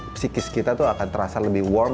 psikis kita akan terasa lebih warm